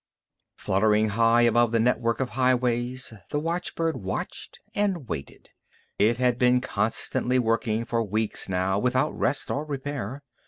Fluttering high above the network of highways, the watchbird watched and waited. It had been constantly working for weeks now, without rest or repair.